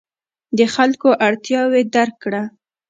د خلکو اړتیاوې درک کړه.